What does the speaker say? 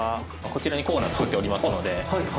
こちらにコーナー作っておりますので。